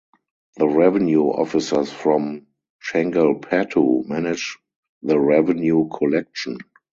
The revenue officers from Chengalpattu manage the revenue collection.